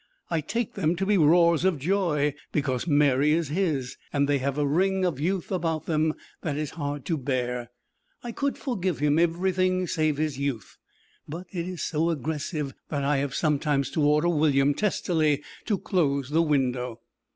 I take them to be roars of joy because Mary is his, and they have a ring of youth about them that is hard to bear. I could forgive him everything save his youth, but it is so aggressive that I have sometimes to order William testily to close the window.